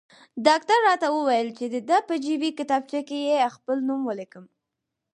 ډاکټر راته وویل چې د ده په جیبي کتابچه کې خپل نوم ولیکم.